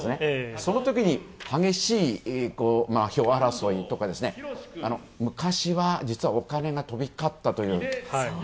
そのときに激しい票争いとか、昔は実はお金が飛び交ったという。